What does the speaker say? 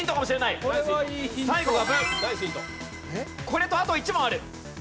これとあと１問ある！